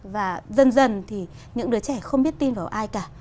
và dần dần thì những đứa trẻ không biết tin vào ai cả